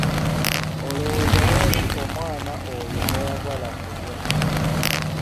Olowooza lwaki omwana oyo tayagala kulya?